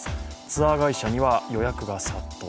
ツアー会社には予約が殺到。